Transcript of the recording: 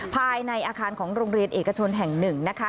ภายในอาคารของโรงเรียนเอกชนแห่งหนึ่งนะคะ